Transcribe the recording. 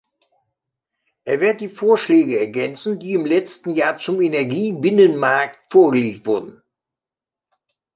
Es wird die Vorschläge ergänzen, die im letzten Jahr zum Energiebinnenmarkt vorgelegt wurden.